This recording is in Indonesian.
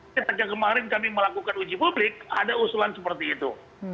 sejak kemarin kami melakukan uji publik ada usulan seperti itu